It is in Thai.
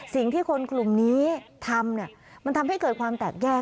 สิ่งที่คนกลุ่มนี้ทำมันทำให้เกิดความแตกแยก